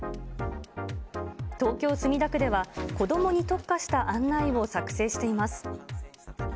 東京・墨田区では子どもに特化した案内を作成しています。